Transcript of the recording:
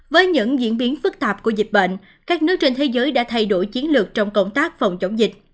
với những diễn biến phức tạp của dịch bệnh các nước trên thế giới đã thay đổi chiến lược trong công tác phòng chống dịch